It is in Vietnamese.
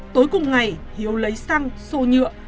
tối cùng ngày hiếu lấy xăng xô nhựa